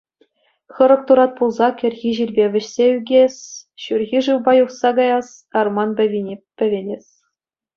Хӑрӑк турат пулса кӗрхи ҫилпе вӗҫсе ӳкес, ҫурхи шывпа юхса каяс, арман пӗвине пӗвенес.